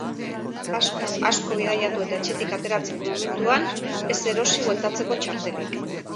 Asko, asko bidaiatu eta etxetik ateratzeko momentuan, ez erosi bueltatzeko txartelik.